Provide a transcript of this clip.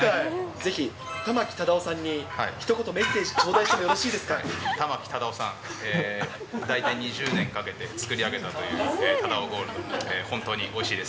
ぜひ玉城忠男さんにひと言、メッセージ頂戴してもよろしいで玉城忠男さん、大体２０年かけて作り上げたというタダオゴールド、本当においしいです。